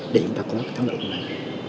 để chúng ta có cái thắng lợi của mình